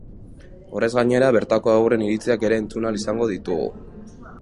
Horrez gainera, bertako haurren iritziak ere entzun ahal izango ditugu.